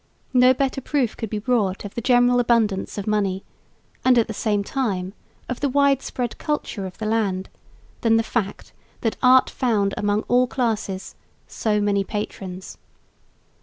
No better proof could be brought of the general abundance of money and at the same time of the widespread culture of the land than the fact that art found among all classes so many patrons.